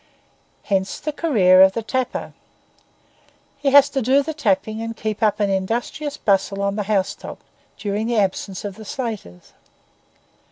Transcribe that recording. Hence the career of the tapper. He has to do the tapping and keep up an industrious bustle on the housetop during the absence of the slaters.